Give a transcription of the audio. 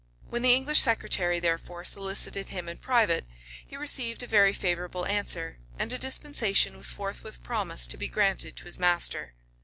When the English secretary, therefore, solicited him in private, he received a very favorable answer: and a dispensation was forthwith promised to be granted to his master.